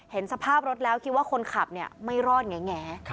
เห็นสภาพรถแล้วคิดว่าคนขับไม่รอดแง